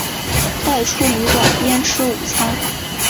带出旅馆边吃午餐